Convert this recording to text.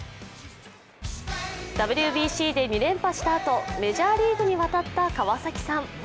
ＷＢＣで２連覇したあとメジャーリーグに渡った川崎さん